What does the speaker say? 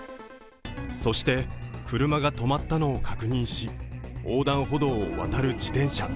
そして車が止まったのを確認し、横断歩道を渡る自転車。